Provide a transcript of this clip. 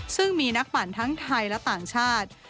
ซึ่งมีนักปั่นทั้งไทยและต่างชาติ